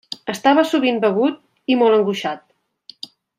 Estava sovint begut i molt angoixat.